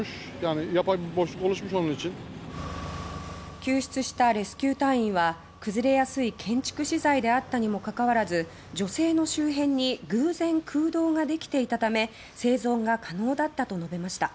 救出したレスキュー隊員は崩れやすい建築資材であったにもかかわらず女性の周辺に偶然、空洞ができていたため生存が可能だったと述べました。